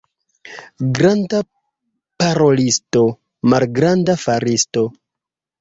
Granda parolisto, malgranda faristo.